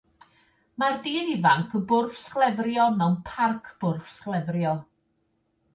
Mae'r dyn ifanc yn bwrdd-sglefrio mewn parc bwrdd-sglefrio.